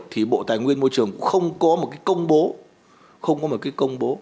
thì bộ tài nguyên môi trường cũng không có một cái công bố không có một cái công bố